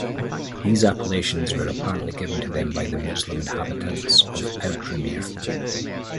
These appellations were apparently given to them by the Muslim inhabitants of Outremer.